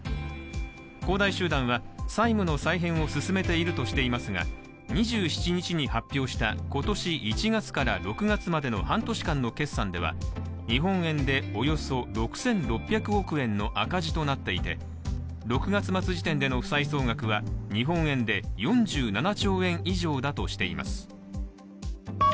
恒大集団は債務の再編を進めているとしていますが２７日に発表した今年１月から６月までの半年間の決算では、日本円でおよそ６６００億円の赤字となっていて、６月末時点での負債総額は日本円で４７兆円以上だとしています。